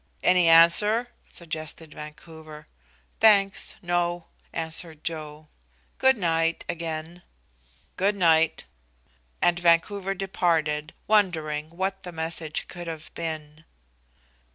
"Any answer?" suggested Vancouver. "Thanks, no," answered Joe. "Good night again." "Good night." And Vancouver departed, wondering what the message could have been.